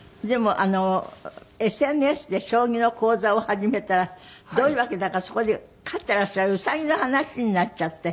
でもＳＮＳで将棋の講座を始めたらどういう訳だかそこで飼っていらっしゃるウサギの話になっちゃって。